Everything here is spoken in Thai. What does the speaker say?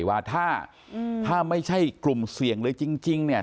ว่าถ้าไม่ใช่กลุ่มเสี่ยงเลยจริงเนี่ย